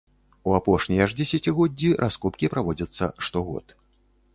У апошнія ж дзесяцігоддзі раскопкі праводзяцца штогод.